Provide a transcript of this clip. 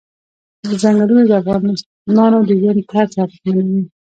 ځنګلونه د افغانانو د ژوند طرز اغېزمنوي.